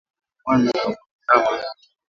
Kupanuka kwa bandama